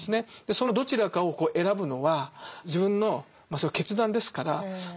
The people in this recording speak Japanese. そのどちらかを選ぶのは自分の決断ですから。